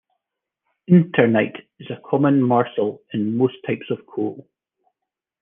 Inertinite is a common maceral in most types of coal.